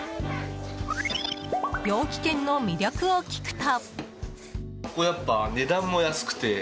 陽気軒の魅力を聞くと。